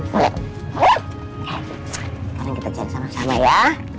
sekarang kita cari sama sama ya